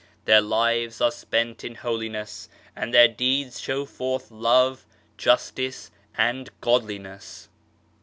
Their lives are spent in holiness, and their deeds show forth Love, Justice and Godliness.